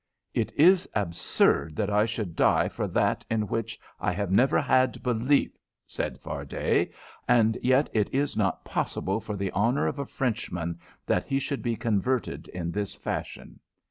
"It is absurd that I should die for that in which I have never had belief," said Fardet. "And yet it is not possible for the honour of a Frenchman that he should be converted in this fashion."